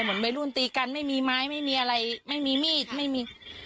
เหมือนวัยรุ่นตีกันไม่มีไม้ไม่มีอะไรไม่มีมีดไม่มี